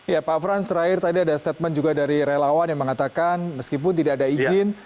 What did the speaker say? ya pak frans terakhir tadi ada statement juga dari relawan yang mengatakan meskipun tidak ada izin